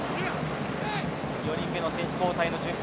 ４人目の選手交代の準備